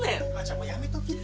もうやめときって。